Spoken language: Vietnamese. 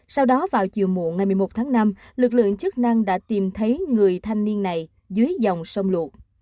sau đó vào chiều muộn ngày một mươi một tháng năm lực lượng chức năng đã tìm thấy người thanh niên này dưới dòng sông lộ